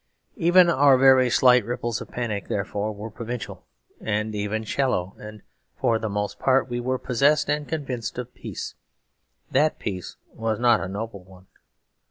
Even our very slight ripples of panic, therefore, were provincial, and even shallow; and for the most part we were possessed and convinced of peace. That peace was not a noble one.